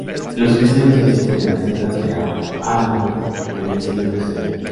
Los cristianos existen en las tierras de habla árabe desde el siglo tercero.